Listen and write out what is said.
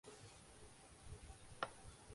اخبار رپورٹ کا آغاز اس طرح کر ہے